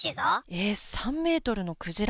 えっ、３メートルのクジラ？